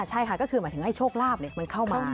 ใช่ค่ะก็คือหมายถึงให้โชคลาภมันเข้ามา